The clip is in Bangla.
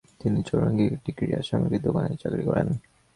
তিনি চৌরঙ্গীর একটি ক্রীড়া সামগ্রীর দোকানে চাকরি করেন।